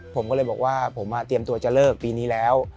ผมก็เลยบอกว่าผมเตรียมตัวจะเลิกปีนี้แล้ว